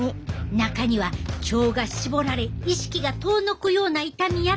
中には腸が絞られ意識が遠のくような痛みやと話す人もおるんよ。